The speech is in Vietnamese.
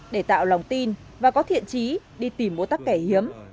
để tạo lòng tin và có thiện trí đi tìm mua tắc kè hiếm